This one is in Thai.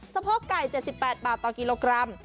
โพกไก่๗๘บาทต่อกิโลกรัม